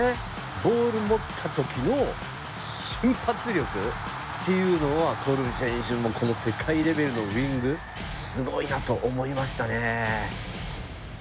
ボール持った時の瞬発力っていうのはコルビ選手のこの世界レベルのウイングすごいなと思いましたね。